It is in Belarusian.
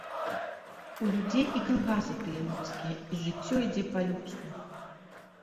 У людзей і калгасы тыя людскія і жыццё ідзе па-людску.